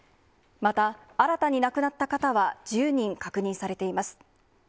また、新たに亡くなった方は１０人確認されています。